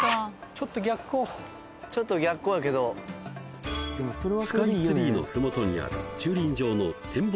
ちょっと逆光ちょっと逆光やけどスカイツリーの麓にある駐輪場の展望